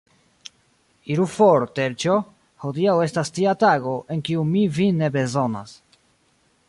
Iru for, Terĉjo, hodiaŭ estas tia tago, en kiu mi vin ne bezonas.